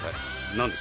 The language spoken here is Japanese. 何ですか？